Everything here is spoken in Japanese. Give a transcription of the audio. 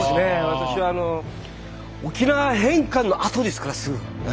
私は沖縄返還のあとですからすぐ。